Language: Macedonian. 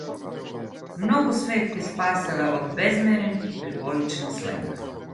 Многу свет ќе спаселе од безмерен хиперболичен сленг.